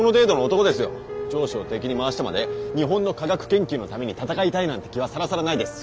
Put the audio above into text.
上司を敵に回してまで日本の科学研究のために戦いたいなんて気はさらさらないです！